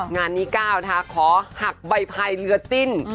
งานนี้ก้าวนะคะขอหักใบพายเรือจิ้น